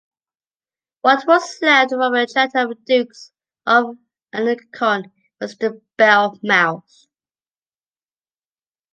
What was left from the Château of the Dukes of Alençon was the bell mouth.